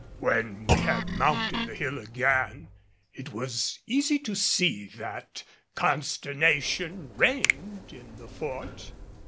When we had mounted the hill again, it was easy to see that consternation reigned in the Fort.